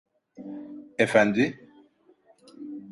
Efendi?